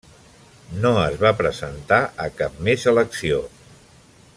No es va presentar a cap més elecció.